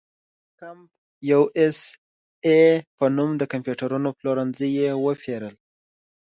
د کمپ یو اس اې په نوم د کمپیوټرونو پلورنځي یې وپېرل.